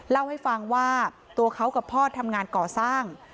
เล่าให้ฟังว่าตัวเขากับพ่อทำงานก่อสร้าง